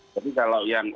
tapi kalau yang